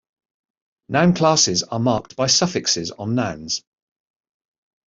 Noun classes are marked by suffixes on nouns.